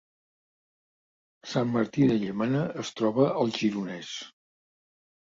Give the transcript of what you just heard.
Sant Martí de Llémena es troba al Gironès